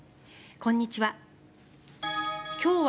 こんにちは。